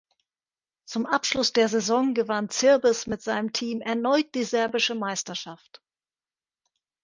Zum Abschluss der Saison gewann Zirbes mit seinem Team erneut die serbische Meisterschaft.